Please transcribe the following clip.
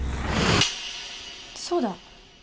そうだ。